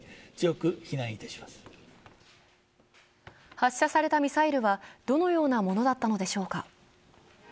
発射されたミサイルはどのようなものだったのでしょうか。